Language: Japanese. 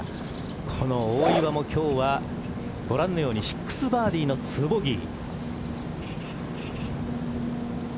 この大岩も今日はご覧のように６バーディーの２ボギー。